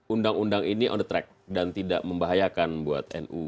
undang undang ini on the track dan tidak membahayakan buat nu